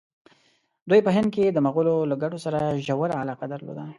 دوی په هند کې د مغولو له ګټو سره ژوره علاقه درلوده.